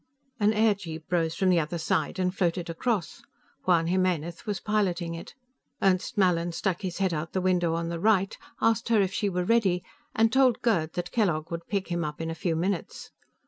An airjeep rose from the other side and floated across. Juan Jimenez was piloting it; Ernst Mallin stuck his head out the window on the right, asked her if she were ready and told Gerd that Kellogg would pick him up in a few minutes.